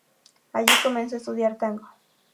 Allí comenzó a estudiar tango.